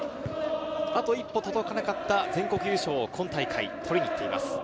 あと一歩届かなかった全国優勝を今大会、取りに行っています。